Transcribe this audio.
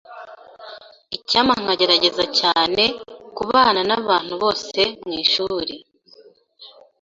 Icyampa nkagerageza cyane kubana nabantu bose mwishuri.